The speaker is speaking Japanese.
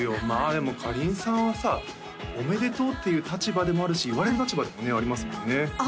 まあでもかりんさんはさおめでとうって言う立場でもあるし言われる立場でもありますもんね